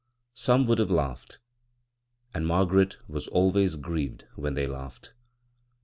Some would have laughed — and Margaret was always grieved when they laughed.